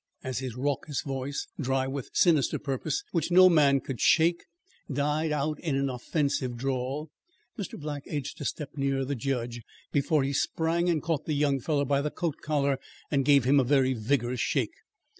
As his raucous voice, dry with sinister purpose which no man could shake, died out in an offensive drawl, Mr. Black edged a step nearer the judge, before he sprang and caught the young fellow by the coat collar and gave him a very vigorous shake.